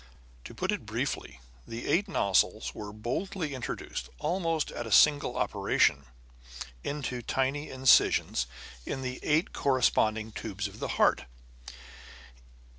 To put it briefly, the eight nozzles were boldly introduced, almost at a single operation, into tiny incisions in the eight corresponding tubes of the heart.